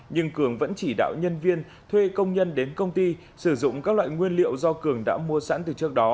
nhưng cường vẫn chỉ đạo nhân viên thuê công nhân đến công ty sử dụng các loại nguyên liệu do cường đã mua sẵn từ trước đó